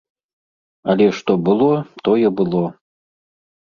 Але што было, тое было.